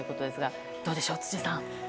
どうでしょう、辻さん。